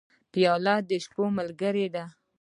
پیاله د شپو ملګرې ده.